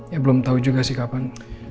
ya belum tahu juga sih kapan